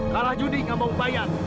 kalah judi gak mau bayar